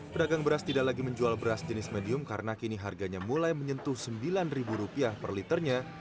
pedagang beras tidak lagi menjual beras jenis medium karena kini harganya mulai menyentuh rp sembilan per liternya